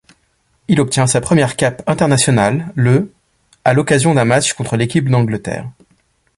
Il obtient sa première cape internationale le à l’occasion d’un match contre l'équipe d'Angleterre.